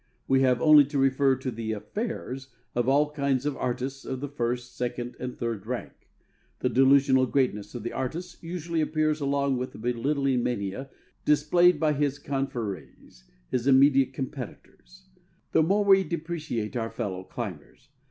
We have only to refer to the "affairs" of all kinds of artists of the first, second, and third rank. The delusional greatness of the artist usually appears along with the belittling mania displayed by his confreres, his immediate competitors. The higher we esteem ourselves, the more we depreciate our fellow climbers.